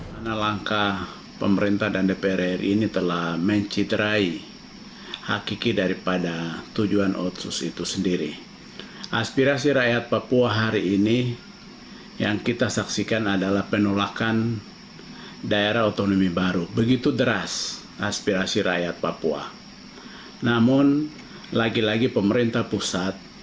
bersama sama dengan dpr ri memaksa untuk pemekaran tiga provinsi baru di tengah papua